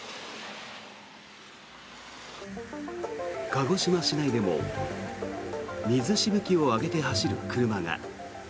鹿児島市内でも水しぶきを上げて走る車が。